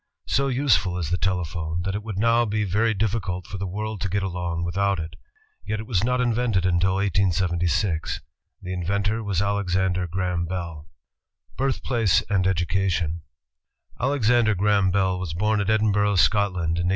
So useful is the telephone, that it would now be very difficult for the world to get along without it. Yet it was not invented until 1876. The in ventor was Alexander Graham Bell. Birthplace and Education Alexander Graham Bell was born at Edinburgh, Scot land, in 1847.